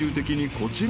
こちら。